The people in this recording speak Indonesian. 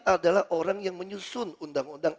adalah orang yang menyusun undang undang